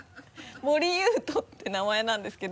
森勇人って名前なんですけど。